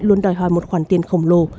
luôn đòi hòa một khoản tiền khổng lồ